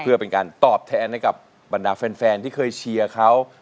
เพื่อเป็นการตอบแทนให้กับบรรดาแฟนที่เคยเชียร์เขา